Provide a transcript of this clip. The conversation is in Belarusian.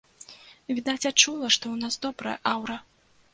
Відаць, адчула, што ў нас добрая аўра.